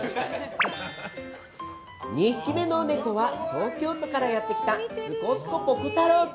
２匹目のネコは東京都からやってきたスコスコぽこ太郎君。